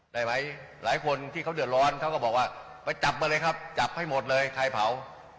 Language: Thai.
หลายคนที่เขาเดือดร้อนเขาก็บอกว่าไปจับมาเลยครับจับให้หมดเลยใครเผา